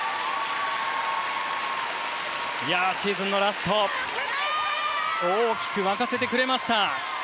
シーズンのラスト大きく沸かせてくれました。